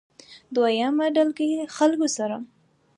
دويمه ډلګۍ خلکو سره